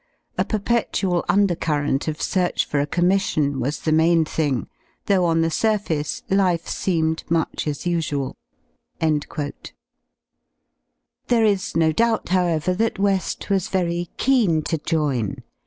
A per petual undercurrent of search for a commission was the main thing, though on the surface life seemed much as usuaW There is no doubt , however y that IVeSl was very keen to join.